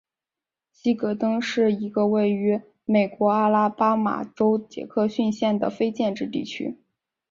希格登是一个位于美国阿拉巴马州杰克逊县的非建制地区。